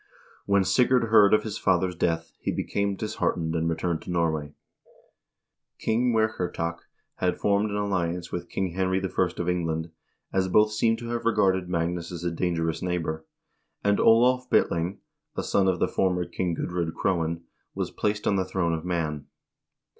When Sigurd heard of his father's death, he became disheartened and returned to Norway. King Muirchertach had formed an alli ance with King Henry I. of England, as both seem to have regarded Magnus as a dangerous neighbor, and Olav Bitling, a son of the former King Gudr0d Crowan, was placed on the throne of Man.